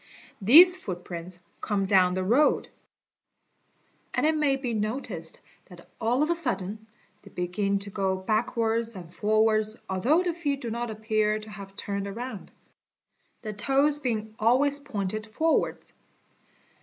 These footprints come | down the road, and it may be noticed that all of a sudden they begin to — go backwards and forwards although the feet do not appear to have turned" round, the toes being always pointed forwards.